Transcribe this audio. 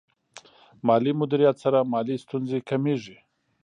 مالي مدیریت سره مالي ستونزې کمېږي.